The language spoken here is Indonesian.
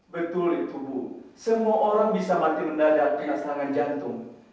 betul itu bu semua orang bisa mati mendadak di serangan jantung